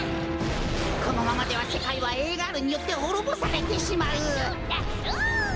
このままではせかいはＡガールによってほろぼされてしまう。